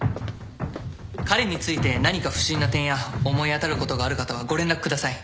彼について何か不審な点や思い当たることがある方はご連絡ください。